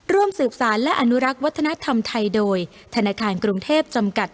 ร่วมสืบสารและอนุรักษ์วัฒนธรรมไทยโดยธนาคารกรุงเทพจำกัด